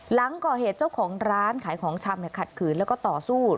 หลังก่อเหตุเจ้าของร้านขายของชำขัดขืนแล้วก็ต่อสู้